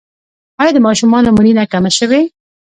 آیا د ماشومانو مړینه کمه شوې؟